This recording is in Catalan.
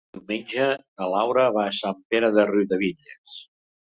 Diumenge na Laura va a Sant Pere de Riudebitlles.